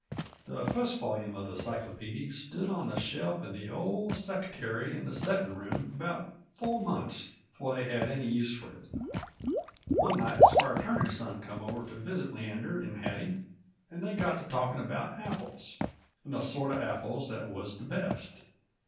The fust volyume of the cyclopeedy stood on a shelf in the old seckertary in the settin' room about four months before they had any use f'r it. One night Squire Turner's son come over to visit Leander 'nd Hattie, and they got to talkin' about apples, 'nd the sort uv apples that wuz the best.